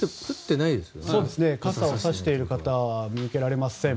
傘をさしている方は見受けられません。